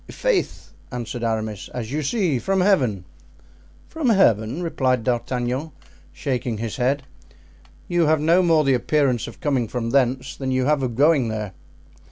"I'faith!" answered Aramis, "as you see, from Heaven." "From Heaven," replied D'Artagnan, shaking his head; "you have no more the appearance of coming from thence than you have of going there."